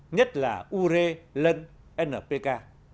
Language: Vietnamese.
nhất là ure lân npk